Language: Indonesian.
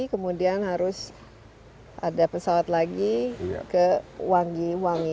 kemudian harus ada pesawat lagi ke wangi wangi